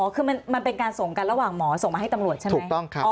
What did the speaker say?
อ๋อคือมันเป็นการส่งกันระหว่างหมอส่งมาให้ตำรวจใช่ไหมถูกต้องครับ